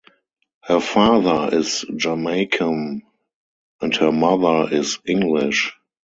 Her father is Jamaican and her mother is English.